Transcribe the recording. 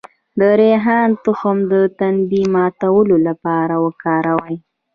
د ریحان تخم د تندې د ماتولو لپاره وکاروئ